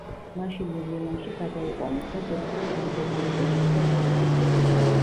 მაშინვე მილანში გადაიყვანეს და ზედიზედ რამდენიმე ოპერაცია გაუკეთეს.